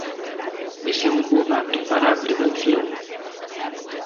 ¿Ese é un bo dato para a prevención?